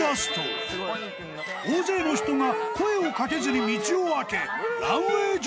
［大勢の人が声を掛けずに道を空け］